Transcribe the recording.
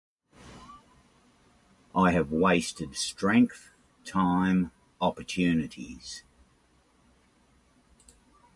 I have wasted strength, time, opportunities.